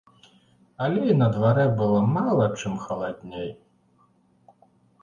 Але і на дварэ было мала чым халадней.